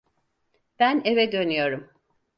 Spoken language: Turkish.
Ben eve dönüyorum.